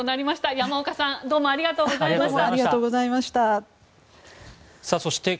山岡さんどうもありがとうございました。